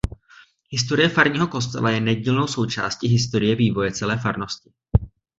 Historie farního kostela je nedílnou součástí historie vývoje celé farnosti.